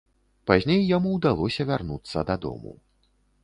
Пазней яму ўдалося вярнуцца дадому.